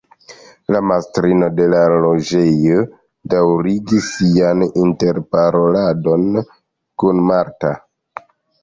La mastrino de la loĝejo daŭrigis sian interparoladon kun Marta.